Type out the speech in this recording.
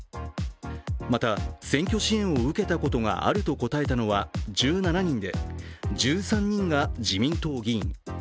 また選挙支援を受けたことがあると答えたのは１７人で１３人が自民党議員。